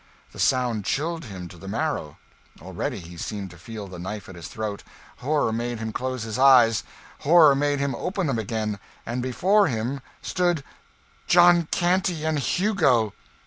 The sound chilled him to the marrow already he seemed to feel the knife at his throat. Horror made him close his eyes; horror made him open them again and before him stood John Canty and Hugo!